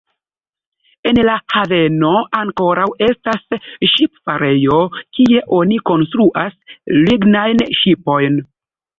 En la haveno ankoraŭ estas ŝipfarejo kie oni konstruas lignajn ŝipojn.